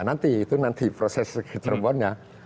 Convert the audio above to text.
nanti itu nanti proses ke cerbon ya